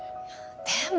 でも。